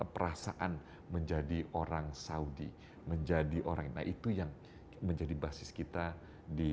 merasakan menjadi orang saudi menjadi orangnya itu yang menjadi basis kita di